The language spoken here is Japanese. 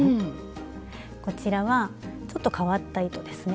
こちらはちょっと変わった糸ですね。